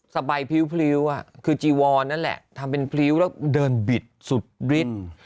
สบายพริ้วคือจีวอนนั่นแหละทำเป็นพริ้วแล้วเดินบิดสุดฤทธิ์